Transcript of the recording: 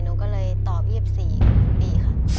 หนูก็เลยตอบ๒๔ดีค่ะ